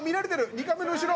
２カメの後ろ。